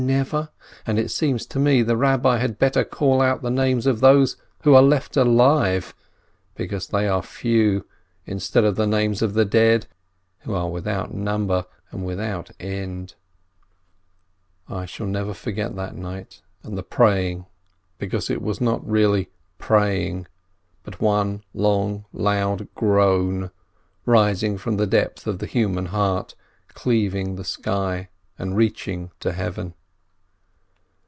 Never ? And it seems to me the Rabbi had better call out the names of those who are left alive, because they are few, instead of the names of the dead, who are without number and without end. I shall never forget that night and the praying, be cause it was not really praying, but one long, loud groan rising from the depth of the human heart, cleaving the sky and reaching to Heaven.